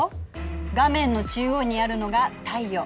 画面の中央にあるのが太陽。